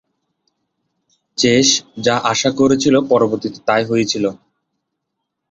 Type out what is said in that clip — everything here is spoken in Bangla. চেস যা আশা করেছিল পরবর্তীতে তাই হয়েছিল।